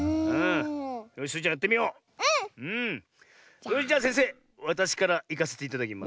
それじゃせんせいわたしからいかせていただきます。